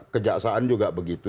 kejaksaan juga begitu